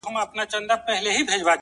آهونه چي د مړه زړه له پرهاره راوتلي!!